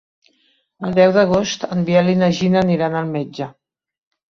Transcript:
El deu d'agost en Biel i na Gina aniran al metge.